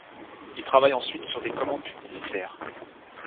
Il travaille ensuite sur des commandes publicitaires.